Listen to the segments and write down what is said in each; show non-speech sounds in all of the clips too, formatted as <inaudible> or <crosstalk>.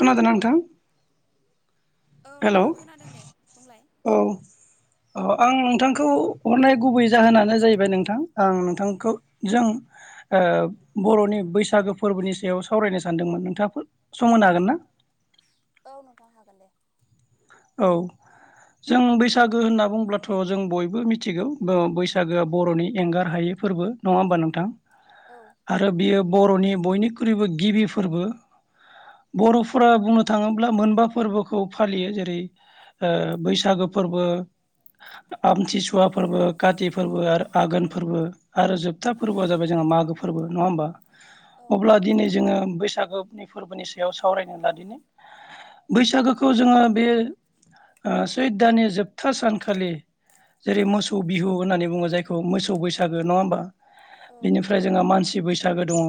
खोनादों ना नोंथां औ हेल' नोंथां खोनादों दे बुंलाय औ आं नोंथां खौ हरनाय गुबै जाहोनानो जाहैबाय नोंथां आं नोंथांखौ जों ओ बर'नि बैसागो फोरबोनि सायाव सावरायनो सानदोंमोन नोंथाङा सम होनो हागोन ना औ नोंथांनो हागोन दे औ जों बैसागो होनना बुंब्लाथ' जों बयबो बबो मिथिगौ बैसागोआ बर'नि एंगार हायै फोरबो नङा होमबा नोंथां औ आरो बियो बर'नि बयनिख्रुइबो गिबि फोरबो बर'फोरा बुंनो थाङोब्ला मोनबा फोरबोखौ फालियो जेरै बैसागो फोरबो आमथिसुवा फोरबो काति फोरबो आरो आघोन फोरबो आरो जोबथा फोरबोआ जाबाय जों मागो फोरबोङ हा औ अब्ला दिनै जोङो बैसागोनि फोरबोनि सायाव सावरायनो लादिनो बैसागोखौ जोङो बे सुइट दानि जोबथा सानखालि जेरै मोसौ बिहु होननानै बुङो जायखौ मोसौ बैसागो नङा होमबा औ बेनिफ्राय जोंहा मानसि बैसागो दङ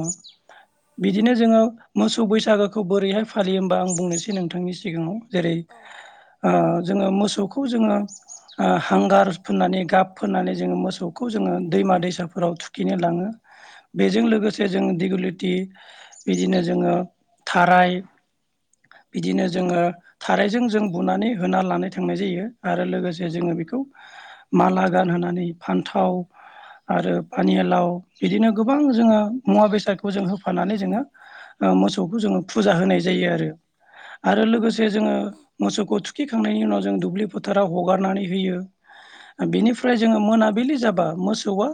बिदिनो जोङो मोसौ बैसागोखौ बोरैहाय फालियो होमबा आं बुंनोसै नोंथांनि सिगाङाव जेरै औ ओ जोङो मोसौखौ जोङो हांगार फोननानै गाब फोननानै जोङो मोसौखौ जोङो दैमा दैसाफोराव थुखिनो लाङो बेजों लोगोसे जों दिेगुलटि बिदिनो नो जोङो थाराय बिदिनो जोङो थारायजों जों बुनानै होना लानाय थांनाय जायो आरो लोगोसे जोङो बेखौ माला गानहोनानै नानै फान्थाव आरो पानिलाव बिदिनो गोबां जोङो मुवा बेसादखौ जों होफानानै जोङो मोसौखौ जोङो फुजा होनाय जायो आरो आरो लोगोसे जोङो मोसौखौ थुखैखांनायनि उनाव जों दुब्लि फोथाराव हगारनानै होयो बिनिफ्राय जोङो मोनाबिलि जाबा मोसौआ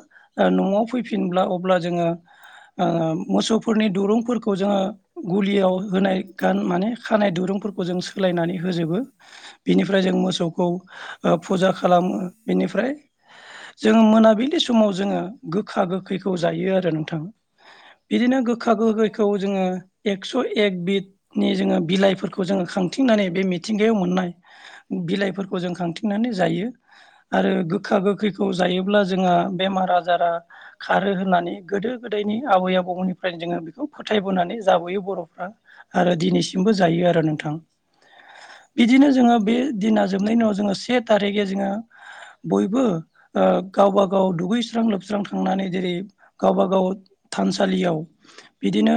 न'आव फैफिनब्ला अब्ला जोङो मोसौफोरनि दुरुंफोरखौ जोङो गलियाव होनाय गान माने खानाय दुरुं फोरखौ जों सोलायनानै होजोबो बेनिफ्राय जों मोसौखौ फुजा खालामो बेनिफ्राय जोङो मोनाबिलि समाव जोङो गोखा गोखैखौ जायो आरो नोंथां बिदिनो गोदोनि गोखा औ गोखैखौ जोङो एकस' एक बिदनि जोङो बिलाइफोरखौ जोङो खां खांथिंनानै बे मिथिंगायाव मोननाय बिलाइफोरखौ जों खांथिंनानै जायो आरो गोखा गोखैखौ जायोब्ला जोंहा बेमार आजारा खारो होननानै गोदो गोदायनि आबै आबौनिफ्रायनो जोङो बेखौ फोथायबोनानै जाबोयो बर'फ्रा आरो दिनैसिमबो जायो आरो नोंथां बिदिनो जोङो औ बे दिना जोबनायनि उनाव जोङो से थारिखाव जोङो बयबो गावब गाव दुगैस्रां लोबस्रां थांनानै जेरै गावबा गाव थानसालियाव बिदिनो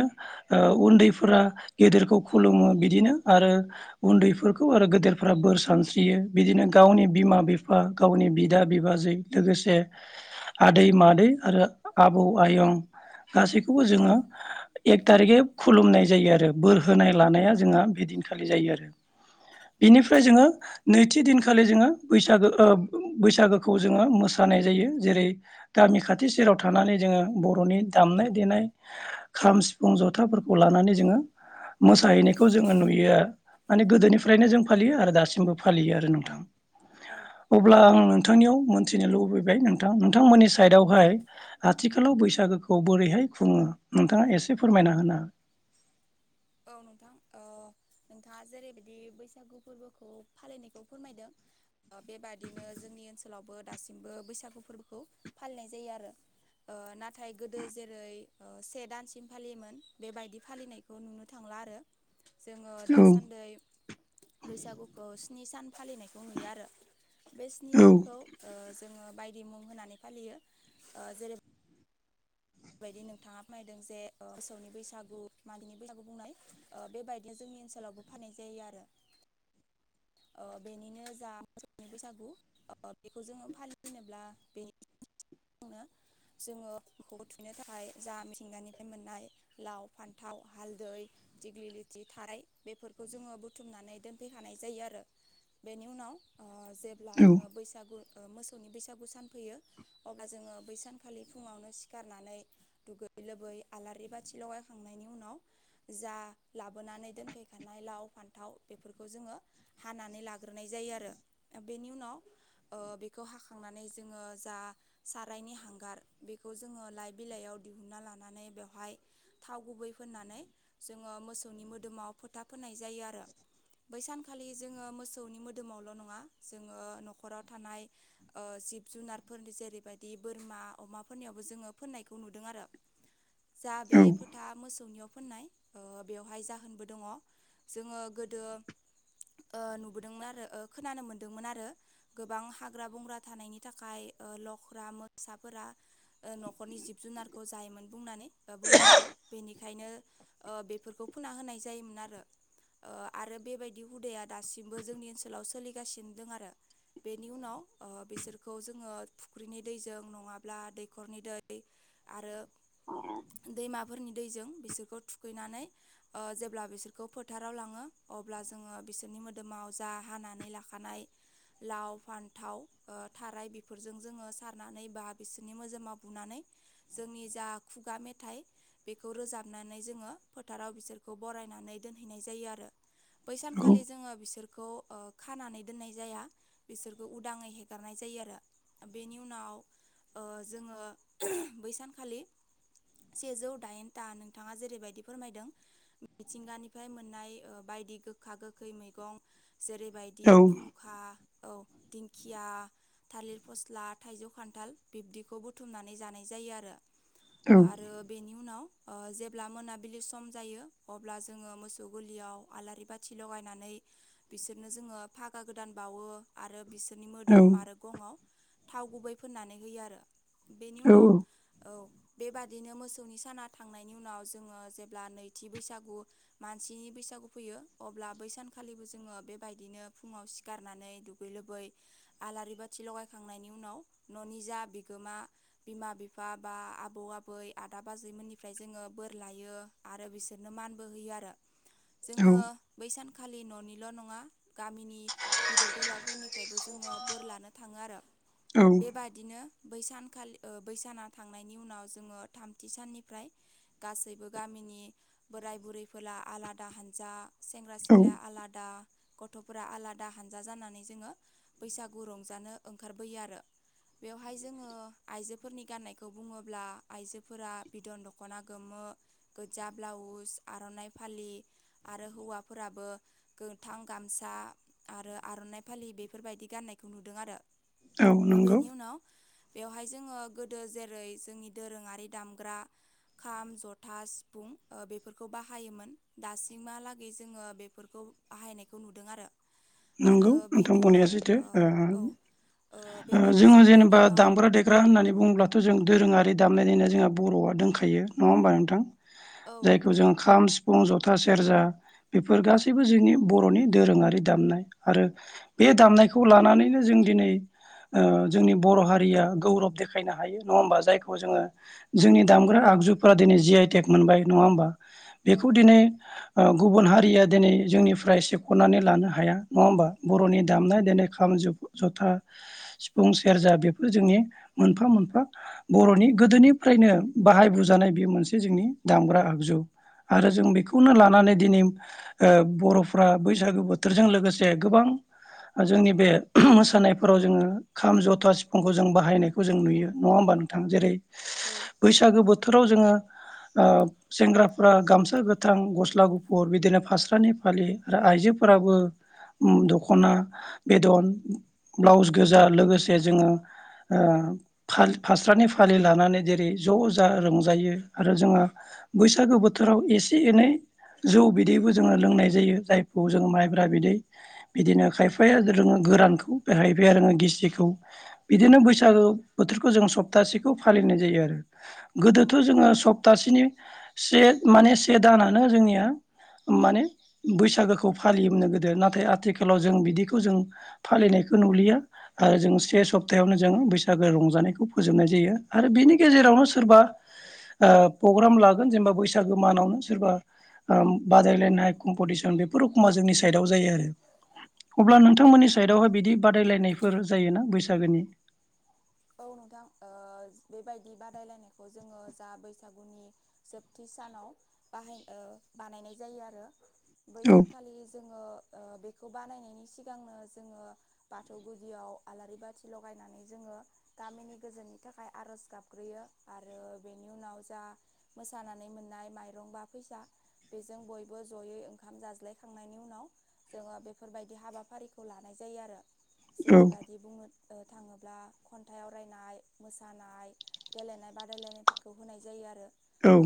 उन्दैफोरा गेदेरखौ खुलुमो बिदिनो आरो उन्दैफोरखौ आरो गेदेरफोरा बोर सानस्रियो बिदिनो गावनि बिमा बिफा गावनि बिदा बिनानाव बिबाजै लोगोसे आदै मादै आरो आबौ आयं गासैखौबो जोङो एक थारिखै खुलुमनाय जायो आरो बोर होनाय लानाया जोंहा बेदिनखौ सालि जायो आरो बिनिफ्राय जोङो नैथि दिनखालि जोङो बैसागो बैसागोखौ जोङो मोसानाय जायो जेरै गामि खाथि सेराव थानानै जोङो बर'नि दामनाय देनाय खाम सिफुं जथाफोरखौ लानानै जोङो मोसाहैनायखौ जोङो नुयो आरो माने गोदोनिफ्रायनो जों फालियो आरो दासिमबो फालियो आरो नोंथां औ अब्ला नोंथां नोंथांनियाव मोनथिनो लुबैबाय नोंथां नोंथांमोननि साइदआवहाय आथिखालाव बैसागोखौ बोरैहाय खुङो नोंथाङा एसे फोरमायना होनो औ नोंथां नोंथाङा जेरैबायदि बैसागु फोरबोखौ फालिनायखौ फोरमायदों बेबादिनो जोंनि ओनसोलावबो दासिमबो बैसागु फोरबोखौ फालिनाय जायो आरो नाथाय गोदो जेरै से दानसिम फालियोमोन बेबायदि फालिनायखौ नुनो थां जोङो औ दासान्दि बैसागुखौ सिनि सान फालिनायखौ नुयो आरो बे स्नि औ सानखौ जोङो बायदि मुं होनानै फालियो जेरै बेबायदि नोंथाङा फोरमनायदों जे मोसौनि बैसागु मागौनि बैसागु बुंनाय बेबायदिनो जों जोंनि ओनसोलावबो खूंनाय जायो आरो <inaudible> बेनिनो जा मोसौनि बैसागु बेखौ जोङो फालिफैनोब्ला बेनि जोङो खौ थुनो थाखाय जा मिथिंगानिफ्राय मोननाय लाव फान्थाव हालदै दिग्लिलिथि थाराय जो बुथुमनानै दोनफैखानाय जायो आरो बेनि उनाव जेब्ला औ जोङो बैसागु मोसौनि बैसागु सान फैयो अब्ला जोङो बैसानखालि फुङावनो गारनानै दुगै लोबै आलारि बाथि लगायखांनायनि उनाव जा लाबोन नै दोनफैखानाय लाव फान्थाव बे जोङो हानानै ला्रोनाय जायो आरोनि उनाव हांनानै जोङो जा साराइनि हांगार जों लाइ बिलाइयाव दि लानानै बेहाय थाव गुबै फोननानै जों मोसौ नि मोदोमाव फोथा फोनाय जायो आरो बै सानखालि जोङो मोसौनि मोदोमावल' नङा जोङो न'खराव थानाय जिब जुनारफोरनि जेरैबायदि बोरमा अमाफोरनियाव जों फोनायखौ नोंजों आरो जा बे औ फोथा मोसौनियाव फोननाय बेवहाय जाहोनबो दङ जोङो गोदो नुबोदोंमोन आरो खोनानो मोनदोंमोन आरो गोबां हाग्रा बंग्रा थानायनि थाखाय लख्रा मोसाफोरा न'खरनि जिब जुनारखौ जायोमोन बुंनानै बुंनायखौ बेनि बेखायनो बेफोरखौ फोना होनाय जायोमोन आरो आरो बेबायदि हुदाया दासिमबो जोंनि ओनसोलाव सोलिगासिनो दं आरो बेनि उनाव बिसोरखौ जोङो फुख्रिनि दैजों नङाब्ला दै दैखरनि दै आरो दैमाफोरनि दैजों बिसोरखौ थुखैनानै जेब्ला बिसोरखौ फोथाराव लाङो अब्ला जोङो बिसोरनि मोदोमाव जा हानानै लाखानाय लाव फान्थाव थाराय बेफोरजों जोङो सारनानै बा बिसोरनि मोजां मुंवाव बुनानै जोंनि जा खुगा मेथाइ बेखौ रोजाबनानै जोङो फोथाराव बिसोरखौ बरायनानै दोनहैनाय जायो आरो औ बैसानखालि जोङो बिसोरखौ बेखौ खानानै दोननाय जाया बिसोरखौ उदाङै हेगारनाय जायो आरो बेनि उनाव जोङो बैसानखालि सेजौ दाइनथा नोंथाङा जेरैबायदि फोरमायदों मिथिंगानिफ्राय मोननाय बायदि बायदि गोखा गोखै मैगं जेरैबायदि औ फुंखा औ दिंखिया थालिर फस्ला थाइजौ खान्थाल बिब्दि बेखौ बुथुमनानै जानाय जायो आरो औ आरो बेनि उनाव जेब्ला मोनाबिलि सम जायो अब्ला जोङो मोसौ गोलियाव आलारि बाथि लगायनानै बिसोरनो जों फागा गोदान बावो आरो बिसोरनि औ मोदोम आरो गङआव थाव गुबै फोननानै होयो आरो बेनि औ उनाव औ बेबादिनो मोसौनि साना थांनायनि उनाव जोङो जेब्ला नैथि बैसागु मानसिनि बैसागु फैयो अब्ला बैसानखालिबो जोङो बेबायदिनो फुङाव सिखारनानै दुगै लोबै आलारि बाथि लगायखांनायनि उनाव न'निजा बि बिगोमा बिमा बिफा बा आबौ आबै आदा बाजैमोननिफ्राय जोङो बोर लायो आरो बिसोरनो मानबो होयो आरो औ औ जोङो बै सान खालि न'निल' नङा गामिनि गिदिर गोलावफोरनिफ्रायबो जोङो बोर लानो थाङो आरो औ बेबादिनो बैसानखालि बैसाना थांनायनि उनाव जोङो थामथि साननिफ्राय गासैबो गामि नि बोराय बुरैफोरा आलादा हानजा सेंग्रा औ सिख्लाया आलादा गथ'फोरा आलादा हानजा जानानै जोङो बैसागु रंजानो ओंखारबोयो आरो बेव- हाय जोङो आइजोफोरनि गान्नायखौ बुङोब्ला आइजोफोरा बिदन दख'ना गोमो गोजा ब्लाउस आर'नाइ फालि आरो हौवाफोराबो गोथां गामसा सा आरो आर'नाइ फालि बेफोरबायदि गाननायखौ नुदों आरो औ नंगौ बेनि उनाव बेवहाय जोङो गोदो जेरै जोंनि दोरोङारि दामग्रा खाम, जथा, सिफुं बेफोरखौ बाहायोमोन दासिमहालागै जोङो बेफोरखौ बाहायनायखौ नुदों आरो नंगौ आरो नोंथां बेनि बुंनाया उनाव सैथो ओ औ ओ बेबायदि जोङो जोबनायनि जेनेबा उनाव दामग्रा देग्रा होननानै बुङोब्लाथ' जों दोरोङारि दामनाय देनाय जोंहा बर'आ दोंखायो नङा होमबा नोंथां औ जायखौ जों खाम सि- फुं जथा सेरजा बेफोर गासैबो जोंनि बर'नि दोरोङारि दामनाय आरो बे दामनायखौ लानानैनो जों दिनै ओ जोंनि बर' हारिया गौरब देखायनो हायो नङा होमबा जायखौ जोङो जोंनि दामग्रा आगजुफोरा दिनै जि आइटेक मोनबाय नङा होमबा औ बेखौ दिनै ओ गुबुन हारिया दिनै जोंनिफ्राय सेख'नानै लानो हाया नङा होमबा बर'नि दामनाय देनाय खाम ज जथा सिफुं सेरजा बेफोर जोंनि मोनफा मोनफा बर'नि गोदोनिफ्रायनो बाहाय बोजानाय बे मोनसे जोंनि दामग्रा आगजु। आरो जों बेखौनो लानानै दिनै ओ बर'फ्रा बैसागो बोथोरजों लोगोसे गोबां जोंनि बे मोसानायफोराव जोङो खाम जथा सिफुंखौ जों बाहायनायखौ जों नुयो नङा होमबा नोंथां। जेरै बैसागो बोथोराव जोङो ओ सेंग्राफ्रा गामसा गोथां गस्ला गुफुर बिदिनो फास्रानि फालि आरो आइजोफोराबो दख'ना बेदन ब्लाउस गोजा लोगोसे जोङो ओ फालि फास्रानि फालि लानानै जेरै ज' जोङो रंजायो आरो जोङो बैसागो बोथोराव एसे एनै जौ बिदैबो जोङो लोंनाय जायो जायखौ जोङो माइब्रा बिदै बिदिनो खायफाया लोङो गोरानखौ बे खायफाया लोङो गिसिखौ बिदिनो बैसागो बोथोरखौ जों सप्तासेखौ फालिनाय जायो आरो औ गोदोथ' जोङो सप्तासेनि से माने से दानानो जोंनिया माने बैसागोखौ फालियोमोननो गोदो ना- थाय आथिखालाव जों बिदिखौ जों फालिनायखौ नुलिया आरो जों से सप्तायावनो जों बैसा- गो रंजानायखौ फोजोबनाय जायो आरो बिनि गेजेरावनो सोरबा ओ प्रग्राम लागोन जेनेबा बैसागो मानावनो सोरबा ओम बादायलायनाय कम्पिटिसन बेफोर एखनबा जोंनि साइडआव जायो आरो। अब्ला नोंथांमोननि साइदआवहाय बिदि बादायलायनायफोर जायोना बैसागोनि? औ नोंथां ओ बेबायदि बादायलायनायखौ जोङो जा बैसागुनि जोबथि सानाव बाहाय ओ बानायनाय जायो आरो बै औ सानखालि जोङो ओ बेखौ बानायनायनि सिगांनो जोङो बाथौ गुदियाव आलारि बाथि लगायनानै जोङो गामिनि गोजोननि थाखाय आर'ज गाबग्रोयो आरो बेनि उनाव जा मोसानानै मोन- नाय माइरं बा फैसा बेजों बयबो जयै ओंखाम जाज्लायखांनायनि उनाव जोङो बेफोरबायदि हाबाफारिखौ लानाय जायो आरो औ जेरैबायदि बुंनो थाङोब्ला खन्थाइ आवरायनाय मोसानाय गेलेनाय बादायलायनायफोरखौ होनाय जायो आरो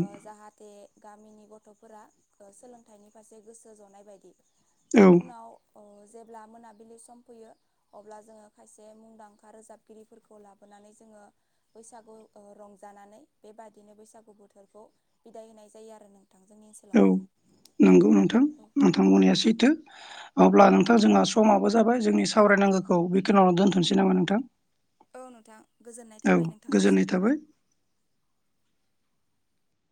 ओ जाहाथे गामिनि गथ'फोरा सोलोंथाइनि फारसे गोसो जनाय बायदि बेनि उनाव जेब्ला मोनाबिलि सम फैयो अब्ला जोङो खायसे मुंदांखा रोजाब गिरिफोरखौ लाबोनानै जोङो बैसागु रंजानानै बेबादिनो बैसागु बोथोरखौ बिदाय होनाय जायो आरो नों औ नंगौ नोंथां औ नोंथां बुंनाया सैथो अब्ला नोंथां जोंना समाबो जाबाय जोंनि सावरायनांगौखौ बेखिनियावनो दोनथ'नोसै नामा नोंथां औ नोंथां गोजोननाय औ थाबाय गोजोननाय नोंथांनिसिम थाबाय